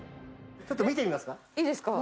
ちょっと見てみますか？